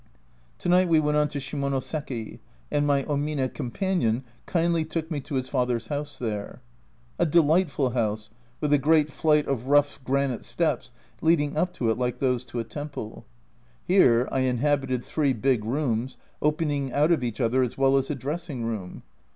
To night we went on to Shimonoseki, and my Omine companion kindly took me to his father's A Journal from Japan 49 house there. A delightful house, with a great flight of rough granite steps leading up to it like those to a temple. Here I inhabited three big rooms, open ing out of each other, as well as a dressing room.